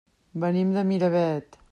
Venim de Miravet.